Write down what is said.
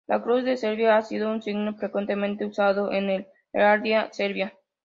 La cruz de Serbia ha sido un signo frecuentemente usado en la heráldica serbia.